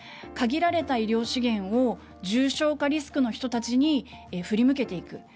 限られた医療資源を重症化リスクの高い人たちに振り向けていく。